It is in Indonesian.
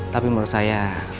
tapi menurut saya